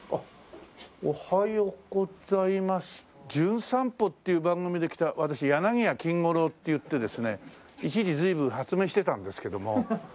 『じゅん散歩』っていう番組で来た私柳家金語楼っていってですね一時随分発明してたんですけども。